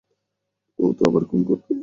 ও তো আবার খুন করবে।